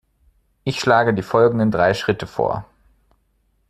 Ich schlage die folgenden drei Schritte vor.